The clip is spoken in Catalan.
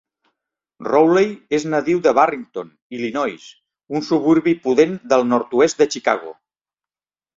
Rowley és nadiu de Barrington, Illinois, un suburbi pudent del nord-oest de Chicago.